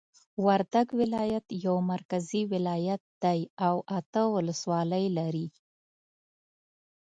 وردګ ولایت یو مرکزی ولایت دی او اته ولسوالۍ لری